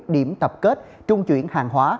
điểm tập kết trung chuyển hàng hóa